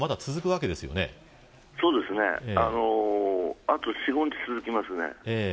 そうですねあと４、５日は続きますね。